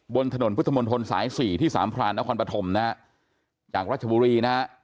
บนถนนพุทธมนตร์สาย๔ที่๓พรานอาคารปฐมจากราชบุรี